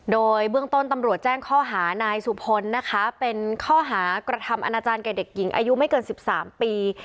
โดยเบื้องต้นตำรวจแจ้งข้อหานายสุพลนะคะเป็นข้อหากระทำอนาจารย์แก่เด็กหญิงอายุไม่เกิน๑๓ปี